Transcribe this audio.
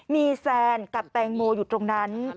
มีแซนกับแตงโมอยู่ตรงนั้น